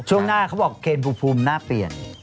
ช่วงหน้าเขาบอกเคนภูมิน่าเปลี่ยน